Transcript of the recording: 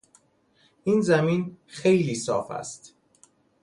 این زمین خیلی صاف است.